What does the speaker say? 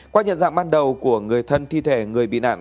qua nhận dạng ban đầu của người thân thi thể người bị nạn